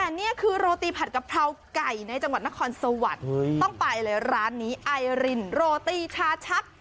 แต่นี่คือโรตีผัดกะเพราไก่ในจังหวัดนครสวรรค์ต้องไปเลยร้านนี้ไอรินโรตีชาชัก